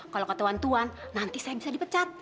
kalau katawan tuhan nanti saya bisa dipecat